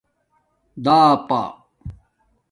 داپݳ